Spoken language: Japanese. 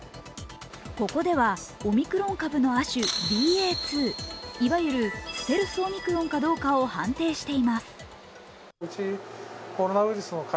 ここではオミクロン株の亜種ＢＡ．２いわゆるステルスオミクロンかどうかを判定しています。